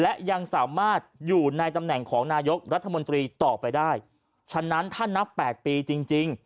และยังสามารถอยู่ในตำแหน่งของนายกรัฐมนตรีต่อไปได้ฉะนั้นถ้านับแปดปีจริงจริง